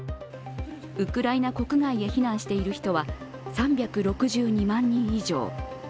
ウクライナ国外へ避難している人は３６２万人以上。